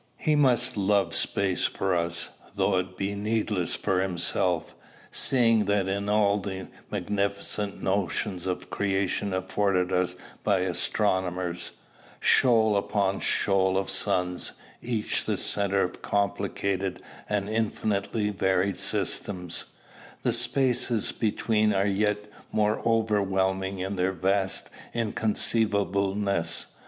He must love space for us, though it be needless for himself; seeing that in all the magnificent notions of creation afforded us by astronomers, shoal upon shoal of suns, each the centre of complicated and infinitely varied systems, the spaces between are yet more overwhelming in their vast inconceivableness.